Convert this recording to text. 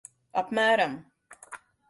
Apmēram.